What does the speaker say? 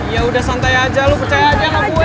ya udah santai aja lo percaya aja gak bue